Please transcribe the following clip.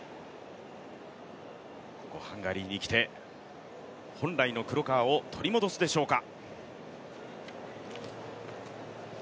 ここ、ハンガリーに来て、本来の黒川を取り戻すでしょうか。